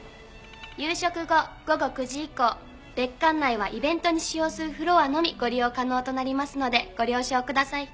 夕食後午後９時以降別館内はイベントに使用するフロアのみご利用可能となりますのでご了承ください。